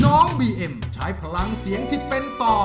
น้องบีเอ็มใช้พลังเสียงที่เป็นต่อ